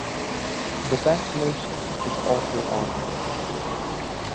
The best nation is also honoured.